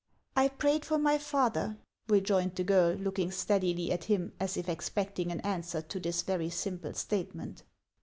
" I prayed for my father," rejoined the girl, looking steadily at him, as if expecting an answer to this very simple statement.